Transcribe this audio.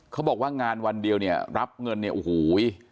เขาบอกว่างานวันเดียวเนี่ยรับเงินเนี่ยโอ้โห